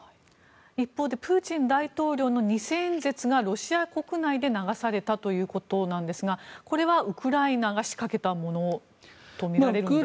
一方でプーチン大統領の偽演説がロシア国内で流されたということなんですがこれはウクライナが仕掛けたものとみられるんでしょうか。